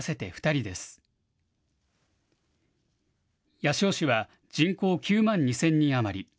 八潮市は人口９万２０００人余り。